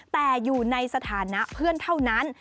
แต่อยู่ในสถานะเพื่อนเท่านั้น